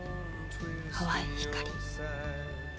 淡い光。